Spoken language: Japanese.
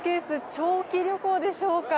長期旅行でしょうか。